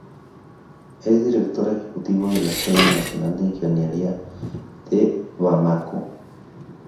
Es director ejecutivo de la Escuela Nacional de Ingeniería de Bamako.